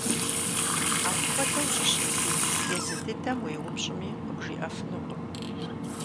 Апхуэдэу щӀыщытри езы дыдэм уеупщӀми къыбжиӀэфынукъым.